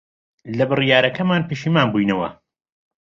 لە بڕیارەکەمان پەشیمان بووینەوە.